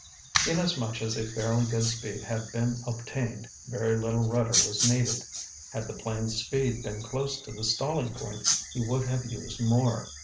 Inasmuch as a fairly good speed had been obtained, very little rudder was needed. Had the plane's speed been close to the stalling point, he would have used more.